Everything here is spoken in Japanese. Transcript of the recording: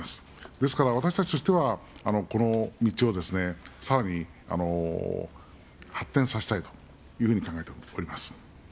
ですから私たちとしては、この道をさらに発展させたいというふうに考えております。